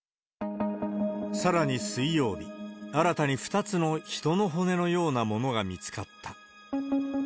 さらに水曜日、新たに２つの人の骨のようなものが見つかった。